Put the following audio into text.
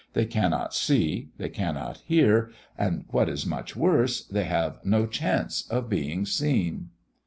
They cannot see, they cannot hear, and, what is much worse, they have no chance of being seen.